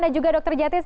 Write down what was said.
dan juga dokter jati